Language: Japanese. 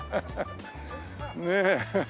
ねえ。